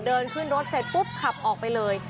เดินขึ้นรถเสร็จปุ๊บขับออกไปเลย